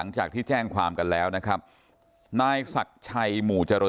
จะไปแจ้งความ๒๑พฤษภาคมนะครับ